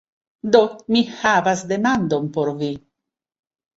Do, mi havas demandon por vi.